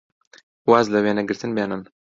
واز لە وێنەگرتن بێنن!